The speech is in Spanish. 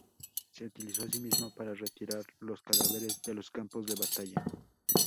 Se utilizó asimismo para retirar los cadáveres de los campos de batalla.